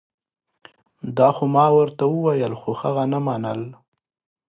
دا خو ما ورته وویل خو هغه نه منل